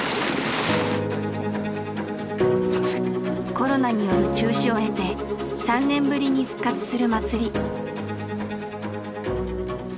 コロナによる中止を経て３年ぶりに復活する祭り。